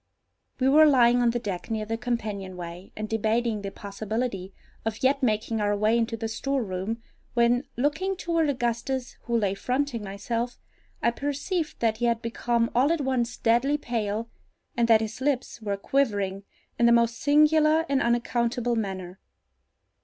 We were lying on the deck near the companion way, and debating the possibility of yet making our way into the storeroom, when, looking toward Augustus, who lay fronting myself, I perceived that he had become all at once deadly pale, and that his lips were quivering in the most singular and unaccountable manner.